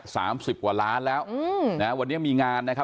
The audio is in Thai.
สามสิบกว่าล้านแล้วอืมนะฮะวันนี้มีงานนะครับ